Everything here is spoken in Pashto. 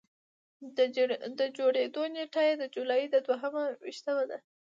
د جوړېدو نېټه یې د جولایي د دوه ویشتمه ده.